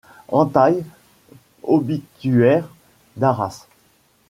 Hantay, obituaire d'Arras.